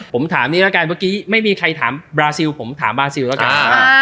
ผมถามนิการักการเมื่อกี้ไม่มีใครถามบราซิลผมถามบัสซิลแล้วกันฮ่า